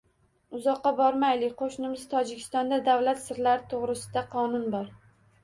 Uzoqqa bormaylik, qo‘shnimiz Tojikistonda «Davlat sirlari to‘g‘risida» qonun bor.